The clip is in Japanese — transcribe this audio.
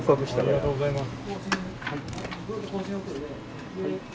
ありがとうございます。